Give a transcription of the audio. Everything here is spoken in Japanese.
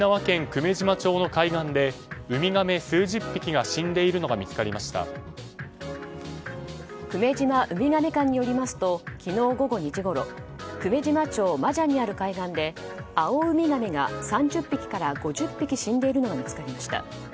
久米島ウミガメ館によりますと昨日午後２時ごろ久米島町真謝にある海岸でアオウミガメが３０匹から５０匹死んでいるのが見つかりました。